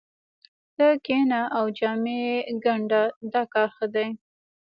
ته کښېنه او جامې ګنډه دا کار ښه دی